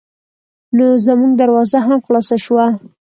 نو زمونږ دروازه هم خلاصه شوه.